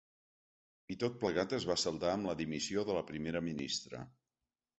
I tot plegat es va saldar amb la dimissió de la primera ministra.